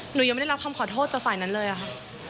หนูยังไม่ได้รับคำขอโทษจากฝ่ายนั้นเลยค่ะ